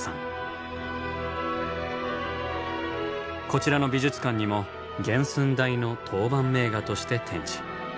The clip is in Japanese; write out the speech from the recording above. こちらの美術館にも原寸大の陶板名画として展示。